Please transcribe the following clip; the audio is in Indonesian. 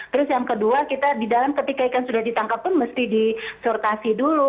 terus yang kedua kita di dalam ketika ikan sudah ditangkap pun mesti disertasi dulu